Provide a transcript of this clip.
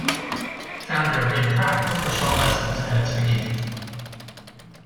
Founder Ray Kroc oversaw lessons at its beginning.